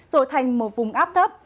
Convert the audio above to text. rồi thành một vùng áp thấp